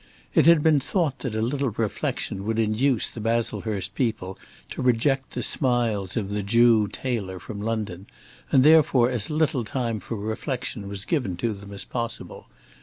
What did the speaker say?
It had been thought that a little reflection would induce the Baslehurst people to reject the smiles of the Jew tailor from London, and therefore as little time for reflection was given to them as possible.